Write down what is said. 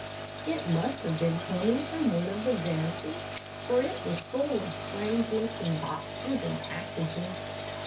It must have been coming from one of the vessels, for it was full of strange looking boxes and packages.